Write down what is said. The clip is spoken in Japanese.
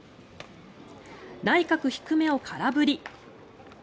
内角低めを空振り。